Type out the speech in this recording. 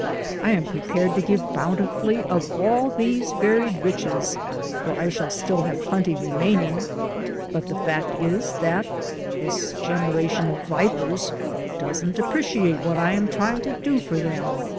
I am prepared to give bountifully of all these varied riches (for I shall still have plenty remaining), but the fact is that this generation of vipers doesn't appreciate what I am trying to do for them.